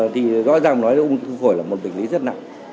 thì rõ ràng nói là hút thuốc phổi là một bệnh lý rất nặng